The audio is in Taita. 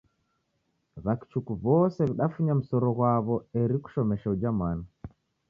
W'akichuku w'ose w'idafunya msoro ghwaw'o eri kushomesha uja mwana.